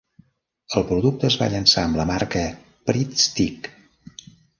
El producte es va llançar amb la marca Pritt Stick.